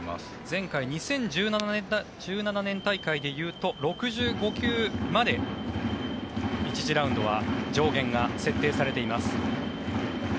前回２０１７年大会でいうと６５球まで１次ラウンドは上限が設定されています。